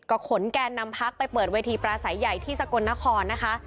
ก็ขนแกนนำพักไปเปิดเวทีปราศัยใหญ่ที่สกลนครนะคะ